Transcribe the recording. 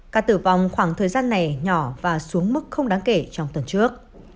ca tử vong khoảng thời gian này nhỏ và xuống mức không đáng kể trong tuần trước